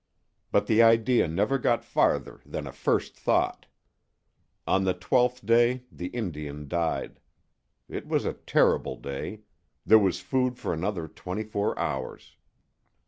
But the idea never got farther than a first thought. On the twelfth day the Indian died. It was a terrible day. There was food for another twenty four hours.